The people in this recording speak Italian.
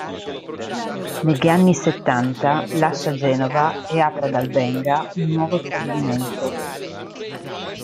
Negli anni settanta lascia Genova e apre ad Albenga un nuovo stabilimento.